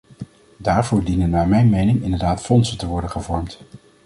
Daarvoor dienen naar mijn mening inderdaad fondsen te worden gevormd.